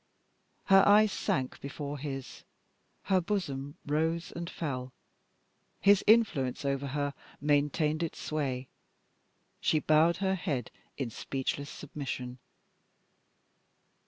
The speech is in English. Her eyes sank before his; her bosom rose and fell rapidly. His influence over her maintained its sway. She bowed her head in speechless submission.